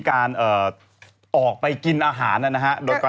ก็มีความรู้ว่า